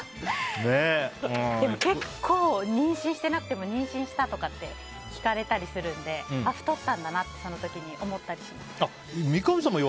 でも結構、妊娠してなくても妊娠した？とかって聞かれたりするので太ったんだなってその時に思ったりします。